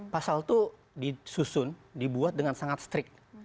pasal itu disusun dibuat dengan sangat strict